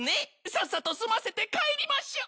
さっさと済ませて帰りましょ。